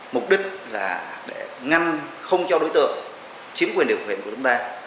mục đích là để ngăn không cho đối tượng chiếm quyền điều quyền của chúng ta